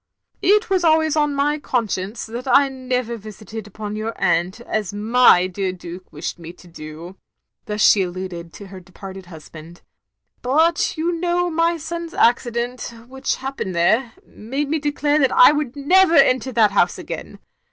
It was always on my conscience that I never called upon yoxir atint, as my dear Duke wished me to do —*' thus she alluded to her departed husband, — "but you know my son's accident, which happened there, made me declare I would never enter that house again.